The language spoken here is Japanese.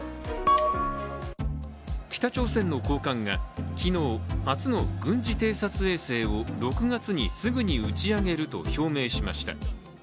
北朝鮮の高官が昨日、初の軍事偵察衛星を６月にすぐに打ち上げると表明しました。